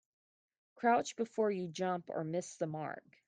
Crouch before you jump or miss the mark.